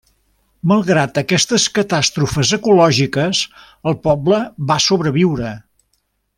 Malgrat aquestes catàstrofes ecològiques, el poble va sobreviure.